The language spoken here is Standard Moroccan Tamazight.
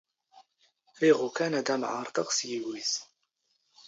ⵔⵉⵖ ⵓⴽⴰⵏ ⴰⴷ ⴰⵎ ⵄⴰⵕⴷⵖ ⵙ ⵢⵉⵡⵉⵣ.